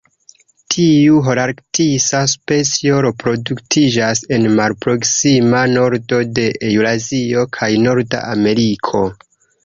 Tiu holarktisa specio reproduktiĝas en malproksima nordo de Eŭrazio kaj Norda Ameriko.